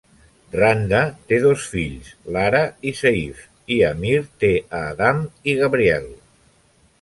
Randa té dos fills, Lara i Seif, i Amir té a Adam i Gabriel.